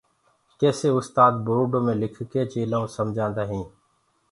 ڪيسي اُستآد بورڊو مي لکڪي چيلآئون سمجآدآ هين